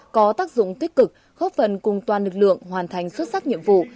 có tác dụng tích cực góp phần cùng toàn lực lượng hoàn thành xuất sắc nhiệm vụ